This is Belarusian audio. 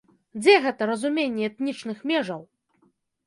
Дзе гэта разуменне этнічных межаў?